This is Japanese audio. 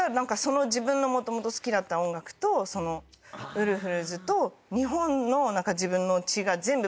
自分のもともと好きだった音楽とウルフルズと日本の自分の血が全部バンって。